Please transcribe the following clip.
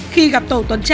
khi gặp tổ tuần tra